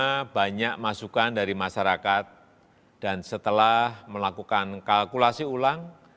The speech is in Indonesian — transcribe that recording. karena banyak masukan dari masyarakat dan setelah melakukan kalkulasi ulang